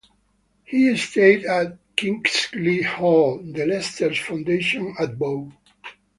He stayed at Kingsley Hall, the Lesters' foundation at Bow.